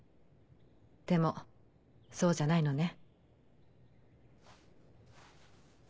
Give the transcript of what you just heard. でもそうじゃないのね。